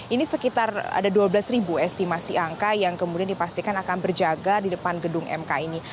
ini sekitar ada dua belas ribu estimasi angka yang kemudian dipastikan akan berjaga di depan gedung mk ini